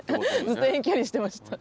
ずっと遠距離してました。